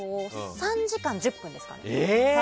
３時間１０分ですかね。